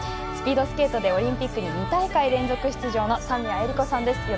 スピードスケートでオリンピック２大会連続出場の三宮恵利子さんです。